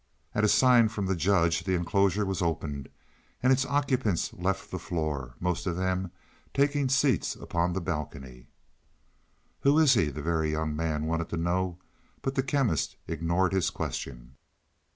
At a sign from the judge the enclosure was opened and its occupants left the floor, most of them taking seats upon the balcony. "Who is he?" the Very Young Man wanted to know, but the Chemist ignored his question.